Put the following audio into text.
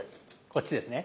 こっちですね？